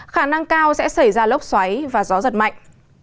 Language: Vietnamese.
khả năng cao sẽ xảy ra lốc xoáy và gió giật mạnh